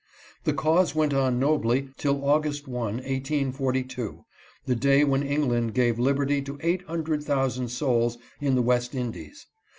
" The cause went on nobly till August 1, 1842, the day when Eng land gave liberty to eight hundred thousand souls in the West Indies.